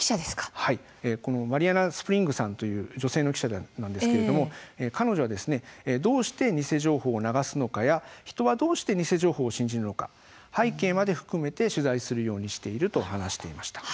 このマリアナ・スプリングさんという女性の記者なんですけれども彼女は、どうして偽情報を流すのかや人はどうして偽情報を信じるのか背景まで含めて取材するようにしていると話していました。